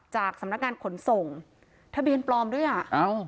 จากสำนักงานขนส่งทะเบียนปลอมด้วยอ่ะเอ้า